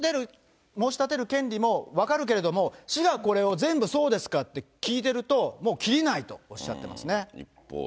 苦情を申し立てる権利も分かるけれども、市がこれを全部そうですかって聞いてると、もうきりないとおっしゃってますね。